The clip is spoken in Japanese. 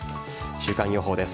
週間予報です。